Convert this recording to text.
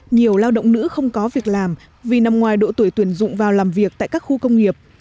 nhiều lao động nữ không có việc làm vì nằm ngoài độ tuổi tuyển dụng vào làm việc tại các khu công nghiệp